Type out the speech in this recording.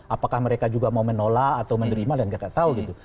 apakah mereka juga mau menolak atau menerima dan nggak tahu gitu